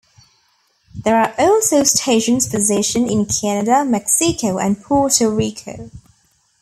There are also stations positioned in Canada, Mexico and Puerto Rico.